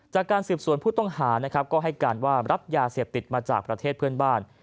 จากการสืบสวนผู้ต้องหานะครับก็ให้การว่ารับยาเสพติดมาจากประเทศเพื่อนบ้าน